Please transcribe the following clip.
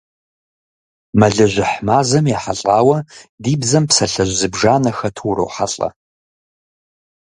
Мэлыжьыхь мазэм ехьэлӀауэ ди бзэм псалъэжь зыбжанэ хэту урохьэлӀэ.